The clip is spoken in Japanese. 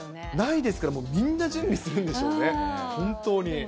ないですから、もうみんな、準備するんでしょうね、本当に。